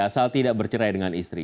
asal tidak bercerai dengan istri